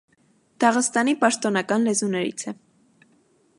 Դաղստանի պաշտոնական լեզուներից է։